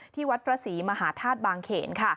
วัดพระศรีมหาธาตุบางเขน